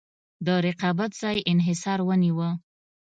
د رقابت ځای انحصار ونیوه.